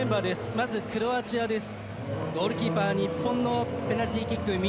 まずクロアチアです。